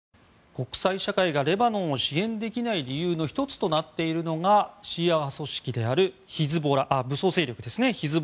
国際社会がレバノンを支援できない理由の１つとなっているのが武装勢力ですね。